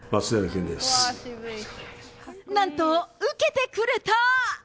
なんと、受けてくれた。